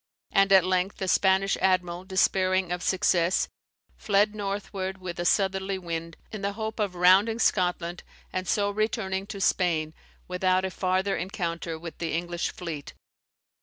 And at length the Spanish admiral, despairing of success, fled northward with a southerly wind, in the hope of rounding Scotland, and so returning to Spain without a farther encounter with the English fleet.